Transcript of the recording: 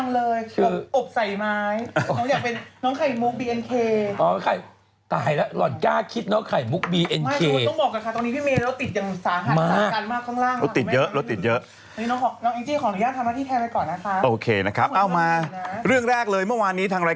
รายการของพี่หนูมะรังทำอยู่ดังเลย